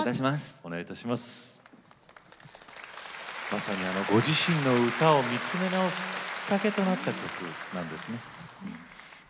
まさにご自身の歌を見つめ直すきっかけとなった曲なんですね。